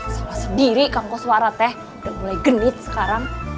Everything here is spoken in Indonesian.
salah sendiri kangkos warat ya udah mulai genit sekarang